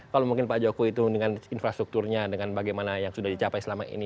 kalau mungkin pak jokowi itu dengan infrastrukturnya dengan bagaimana yang sudah dicapai selama ini